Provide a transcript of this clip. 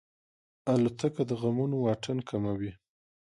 الوتکه د غمونو واټن کموي.